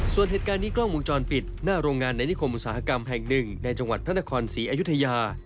ส่วนเหตุการณ์นี้กล้องวงจรปิดหน้าโรงงานในนิคมอุตสาหกรรมแห่งหนึ่งในจังหวัดพระนครศรีอยุธยา